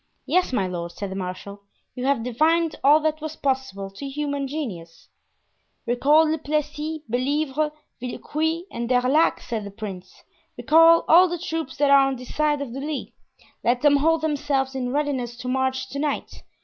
"Yes, my lord," said the marshal, "you have divined all that was possible to human genius." "Recall Le Plessis, Bellievre, Villequier and D'Erlac," said the prince, "recall all the troops that are on this side of the Lys. Let them hold themselves in readiness to march to night.